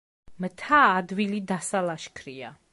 მთა ადვილი დასალაშქრია.